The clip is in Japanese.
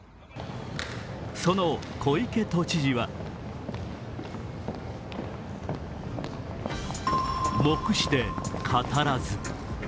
その小池都知事は黙して語らず。